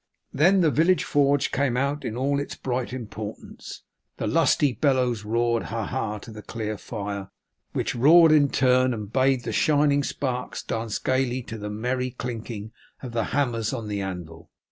Then the village forge came out in all its bright importance. The lusty bellows roared Ha ha! to the clear fire, which roared in turn, and bade the shining sparks dance gayly to the merry clinking of the hammers on the anvil.